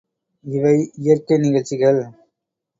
இவை இயற்கை நிகழ்ச்சிகள்.